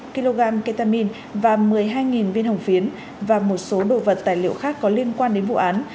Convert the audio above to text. một kg ketamin và một mươi hai viên hồng phiến và một số đồ vật tài liệu khác có liên quan đến vụ án